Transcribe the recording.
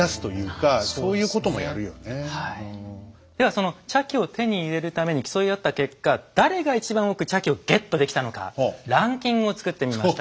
その茶器を手に入れるために競い合った結果誰が一番多く茶器をゲットできたのかランキングを作ってみました。